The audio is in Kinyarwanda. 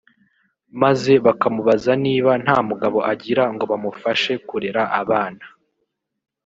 maze bakamubaza niba nta mugabo agira ngo bamufashe kurera abana